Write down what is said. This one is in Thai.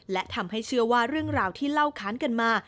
และทำให้เชื่อว่าเรื่องราวที่เล่าค้านกันมา